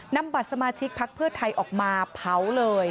นำบัตรสมาชิกพักเพื่อไทยออกมาเผาเลย